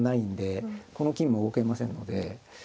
この金も動けませんので。